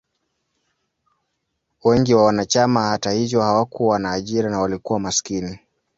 Wengi wa wanachama, hata hivyo, hawakuwa na ajira na walikuwa maskini.